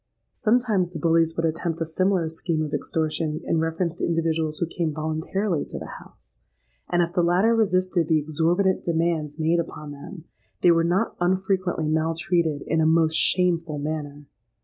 "Sometimes, the bullies would attempt a similar scheme of extortion in reference to individuals who came voluntarily to the house; and if the latter resisted the exorbitant demands made upon them, they were not unfrequently maltreated in a most shameful manner.